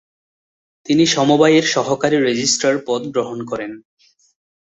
তিনি সমবায়ের সহকারী রেজিস্ট্রার পদ গ্রহণ করেন।